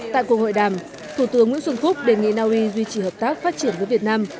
tại cuộc hội đàm thủ tướng nguyễn xuân phúc đề nghị naui duy trì hợp tác phát triển với việt nam